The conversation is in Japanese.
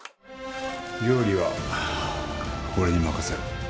料理は俺に任せろ。